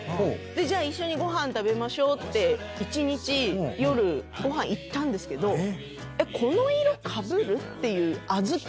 じゃあ一緒にご飯食べましょうって１日夜ご飯行ったんですけどこの色かぶる？っていう小豆色の服がかぶって。